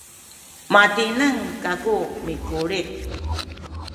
matineng kaku mikulit